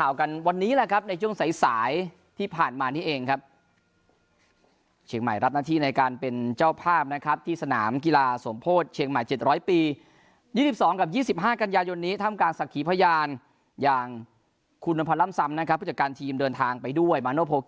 อันดับที่สามนะครับ